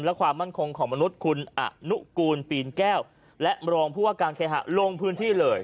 และความมั่นคงของมนุษย์คุณอนุกูลปีนแก้วและรองผู้ว่าการเคหะลงพื้นที่เลย